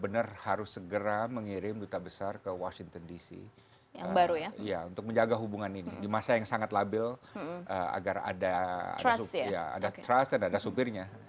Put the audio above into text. negara demokrasi tertua yang saat ini